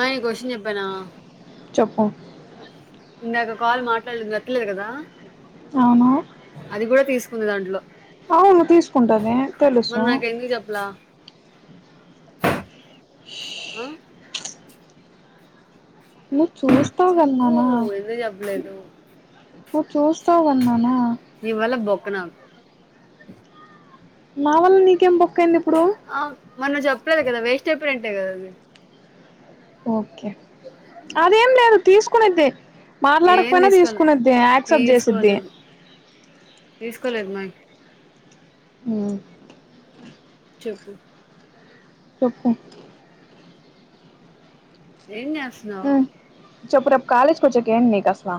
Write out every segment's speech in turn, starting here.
ఆ నీకో విషయం చెప్పనా చెప్పు ఇందాక కాల్ మాట్లాడలేదు ఎతలేదు కదా అవునా అది కూడా తీసుకుంది దాంట్లో అవును తీసుకుంటది మరి తెలుసు నాకు ఎందుకు చెప్పలా ఆ హ్మ్ చూస్తావ్ కదా చెప్పు నాన్న ఎందుకు చెప్పలేదు నువ్వు చూస్తావుగా నాన్న నీ వల్ల బొక్క నాకు నావల్ల నీకేం బొక్క ఆ మొన్ జెప్ చెప్పలేదు కదా వేస్ట్ అయిపోయాయి ఉంటాయి కద అవి ఓకే అదేం లేదు తీసుకునిద్దే ఏం మాట్లాడకపోయినా తీసుకోలే తీసుకునేద్ది యాక్సెప్ట్ చేసిద్ది తీసుకోలేదు మై ఉమ్ చెప్పు చెప్పు ఏం చేస్తున్నావ్ మ్మ్ చెప్పు రేపు కాాలేజ్కి వచ్చకి ఏం నిక్ అసలు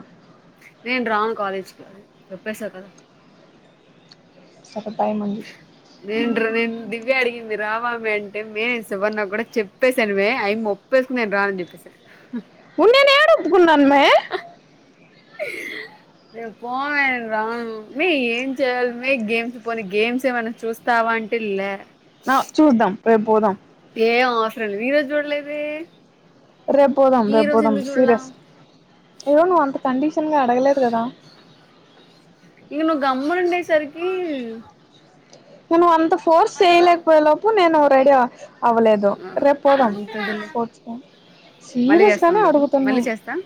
నేను రాను కాలేజీకి అ చెప్పేశా కదా సరే బాయ్ మళ్ళీ నేను ర నేను దివ్య అడిగింది రావా మే అంటే మే శివన్న కూడా చెప్పసాను ఆ అమ్మే ఒప్పేసింది నేను రాన్ అని చెప్పసా ఉన్నేనే ఏడు ఒప్పుకున్న మే రే పో మే రాను మీ ఏం చెయాలి మీ గేమ్స్ పోని గేమ్స్ ఏమైనా చూస్తావా అంటే లే ఆ చూద్దాం రేపు పోదాం ఏం అవసర లే ఈ రోోజు చూడలేదే రేపు పోదాం ఈ రేపు రోజు పోదాం ఎందుకు చూడలా సీరియస్ ఏవో నువ్వు అంత కండిషన్ గా అడగలేదు కదా ఇక నువ్వు గమ్మున ఉండేసరికి మన అంత ఫోర్స్ చేయలేక పోయా లోపు పో నేను రేడి ఆ అవ్వలేదు రేపు ఆ పోదాం అంతదిలే స్పోర్ట్స్ కి మళ్ళీ చేస్తా సీరియస్గానే ఉండు అడుగుతున్నా మళ్ళీ చేస్తా